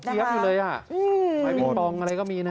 เป็นเกี๊ยบอยู่เลยไฟปิงปองอะไรก็มีนะ